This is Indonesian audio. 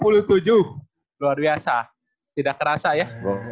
luar biasa tidak kerasa ya